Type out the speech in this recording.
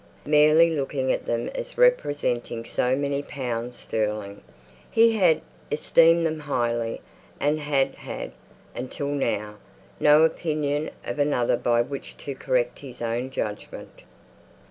Merely looking at them as representing so many pounds sterling, he had esteemed them highly, and had had, until now, no opinion of another by which to correct his own judgment.